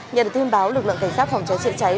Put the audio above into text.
nhờ được thông báo lực lượng cảnh sát phòng cháy chữa cháy